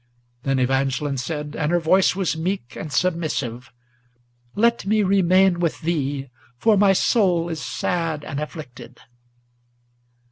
Then Evangeline said, and her voice was meek and submissive, "Let me remain with thee, for my soul is sad and afflicted."